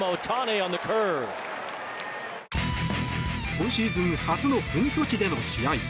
今シーズン初の本拠地での試合